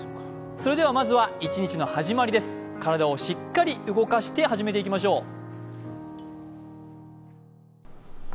それではまずは、一日の始まりです体をしっかり動かして始めていきましょう。